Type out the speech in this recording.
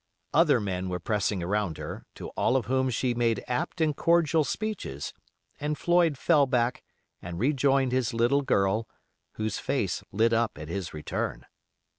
Other men were pressing around her, to all of whom she made apt and cordial speeches, and Floyd fell back and rejoined his little girl, whose face lit up at his return.